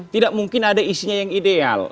tidak mungkin ada isinya yang ideal